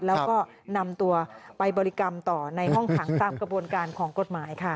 แล้วก็นำตัวไปบริกรรมต่อในห้องขังตามกระบวนการของกฎหมายค่ะ